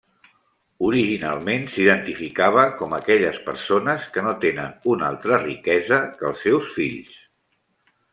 Originalment s'identificava com aquelles persones que no tenen una altra riquesa que els seus fills.